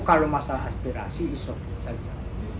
kalau masalah aspirasi isok saja